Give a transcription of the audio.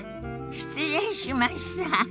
失礼しました。